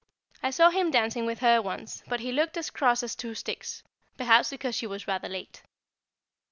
I saw him dancing with her once, but he looked as cross as two sticks, perhaps because she was rather late.